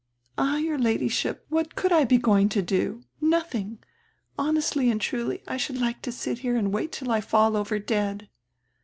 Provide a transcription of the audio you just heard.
"All, your Ladyship, what could I be going to do? Nothing. Honestly and truly, I should like to sit here and wait till I fall over dead.